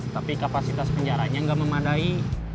tapi kapasitas penjaranya nggak memadai